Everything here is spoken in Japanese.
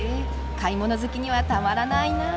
買い物好きにはたまらないなぁ。